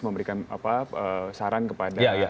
memberikan saran kepada